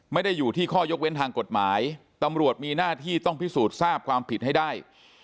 ไม่ได้อยู่ที่ข้อยกเว้นทางกฎหมายตำรวจมีหน้าที่ต้องพิสูจน์ทราบความผิดให้ได้